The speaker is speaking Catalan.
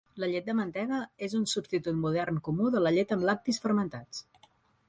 La llet de mantega és un substitut modern comú de la llet amb lactis fermentats.